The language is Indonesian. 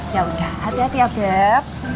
ya udah hati hati ya beb